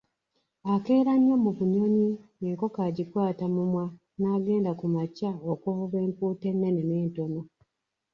Akeera nnyo mu bunyonyi, enkoko agikwaata mumwa n'agenda ku makya okuvuba empuuta ennene n'entono.